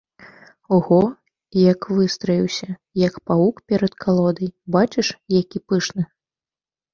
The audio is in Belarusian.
Ого, як выстраіўся, як павук перад калодай, бачыш, які пышны!